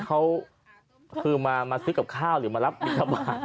เขาคือมาซื้อกับข้าวหรือมารับบินทบาท